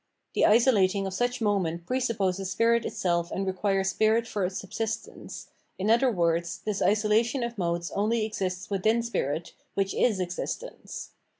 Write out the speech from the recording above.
The isolating of such moments pre supposes spirit itself and requires spirit for its subsist ence, in other words, this isolation of modes only exists within spirit, which is existence.